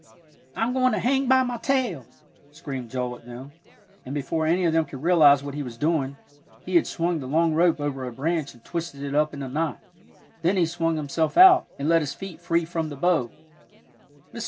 "I'm goin' to hang by my tail," screamed Joel at them, and before any of them could realize what he was doing, he had swung the long rope over a branch and twisted it up in a knot, then he swung himself out, and let his feet free from the bough. Mrs.